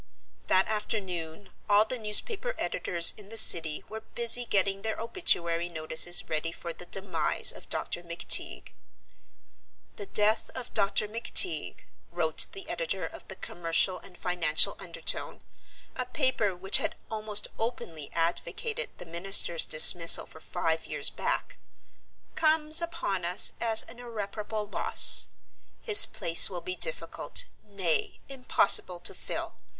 That afternoon all the newspaper editors in the City were busy getting their obituary notices ready for the demise of Dr. McTeague. "The death of Dr. McTeague," wrote the editor of the Commercial and Financial Undertone, a paper which had almost openly advocated the minister's dismissal for five years back, "comes upon us as an irreparable loss. His place will be difficult, nay, impossible, to fill.